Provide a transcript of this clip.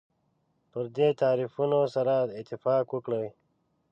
پر دې تعریفونو سره اتفاق وکړي.